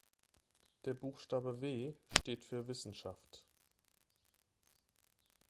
Der Buchstabe „W“ steht für Wissenschaft.